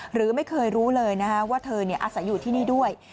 หรือไม่เคยรู้เลยว่าเธออาศัยอยู่ที่นี่ด้วย